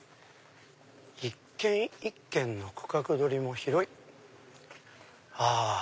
一軒一軒の区画取りも広い。